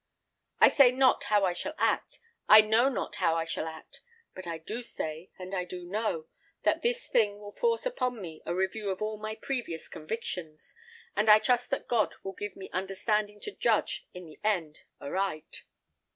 I say not how I shall act, I know not how I shall act; but I do say, and I do know, that this thing will force upon me a review of all my previous convictions, and I trust that God will give me understanding to judge in the end aright."